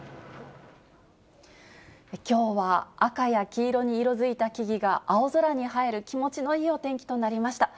きょうは赤や黄色に色づいた木々が青空に映える気持ちのいいお天気となりました。